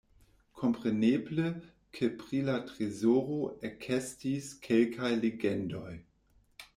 Kompreneble, ke pri la trezoro ekestis kelkaj legendoj.